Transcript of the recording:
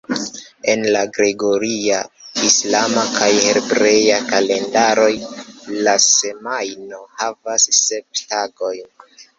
En la gregoria, islama kaj hebrea kalendaroj la semajno havas sep tagojn.